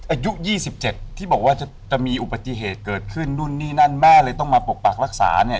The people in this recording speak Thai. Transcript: อายุ๒๗ที่บอกว่าจะมีอุบัติเหตุเกิดขึ้นนู่นนี่นั่นแม่เลยต้องมาปกปักรักษาเนี่ย